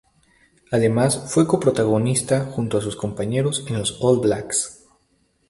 Además fue coprotagonista junto a sus compañeros en los All Blacks.